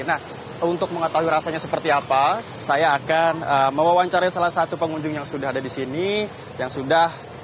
nah untuk mengetahui rasanya seperti apa saya akan mewawancarai salah satu pengunjung yang sudah ada di sini yang sudah